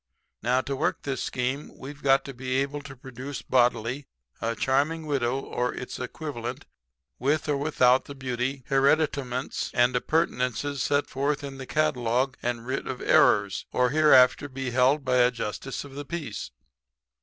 Now, to work this scheme we've got to be able to produce bodily a charming widow or its equivalent with or without the beauty, hereditaments and appurtenances set forth in the catalogue and writ of errors, or hereafter be held by a justice of the peace.'